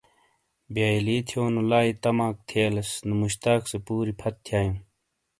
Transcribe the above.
بیئلی تھیونو لاے تماک تھیلئس نو مشتاق سے پوری فت تھایوں۔